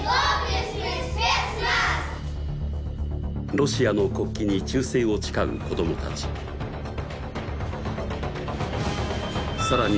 ロシアの国旗に忠誠を誓う子どもたちさらに